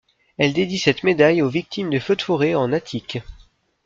Elle dédie cette médaille aux victimes des feux de forêt en Attique.